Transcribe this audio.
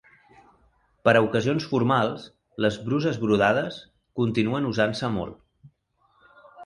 Per a ocasions formals, les bruses brodades continuen usant-se molt.